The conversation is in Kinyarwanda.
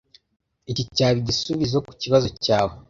iki cyaba igisubizo kukibazo cyawe